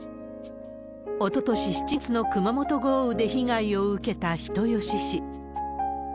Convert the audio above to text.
おととし７月の熊本豪雨で被害を受けた人吉市。